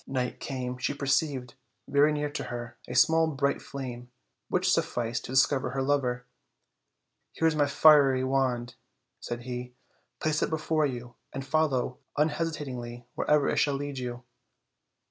S3 night came she perceived, very near to her, a small bright flame, which sufficed to discover her lover. "Here is my fiery wand," said he; "place it before you, and follow un hesitatingly wherever it shall lead you.